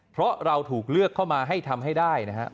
เพราะเราถูกเลือกเข้ามาให้ทำให้ได้นะครับ